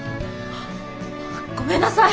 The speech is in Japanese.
ごめんなさい。